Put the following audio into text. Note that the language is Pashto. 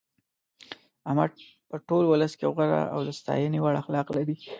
احمد په ټول ولس کې غوره او د ستاینې وړ اخلاق لري.